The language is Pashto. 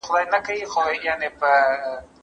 اسلام دا حکم بدل نه کړی.